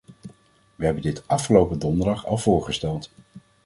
Wij hebben dit afgelopen donderdag al voorgesteld.